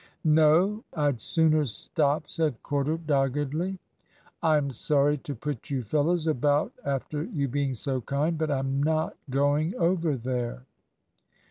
"No. I'd sooner stop," said Corder, doggedly. "I'm sorry to put you fellows about after your being so kind, but I'm not going over there."